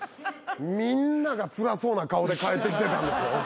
みんながつらそうな顔で帰ってきてたんですよ。